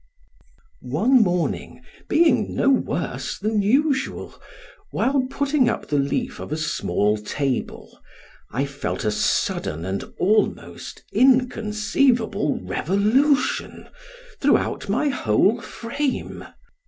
One morning, being no worse than usual, while putting up the leaf of a small table, I felt a sudden and almost inconceivable revolution throughout my whole frame.